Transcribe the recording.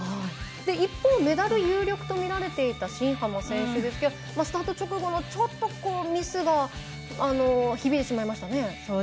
一方、メダル有力と見られていた新濱選手ですけどスタート直後のちょっとこうミスが響いてしまいましたね。